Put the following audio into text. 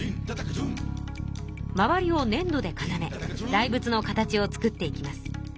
周りをねん土で固め大仏の形を作っていきます。